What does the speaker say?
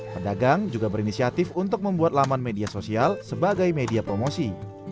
pedagang juga berinisiatif untuk membuat laman media sosial sebagai media promosi